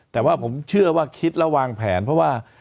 แต่ว่าผมเชื่อว่าคิดแล้ววางแผนเพราะว่า